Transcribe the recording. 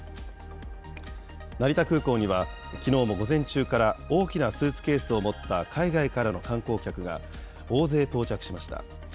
成田空港には、きのうも午前中から、大きなスーツケースを持った海外からの観光客が大勢到着しました。